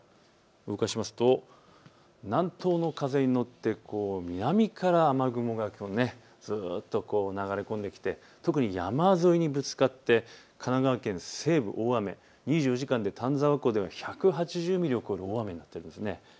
動かしますと、南東の風に乗って南から雨雲がずっと流れ込んできて特に山沿いにぶつかって神奈川県西部、大雨、２４時間で丹沢湖では１８０ミリを超える大雨になっています。